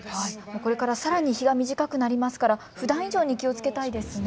これからさらに日が短くなりますからふだん以上に気をつけたいですね。